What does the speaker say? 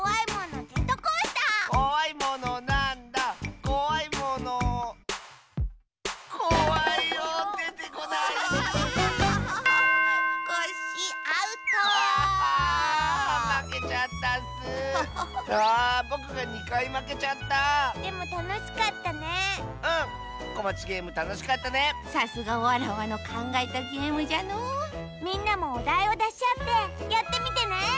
みんなもおだいをだしあってやってみてね！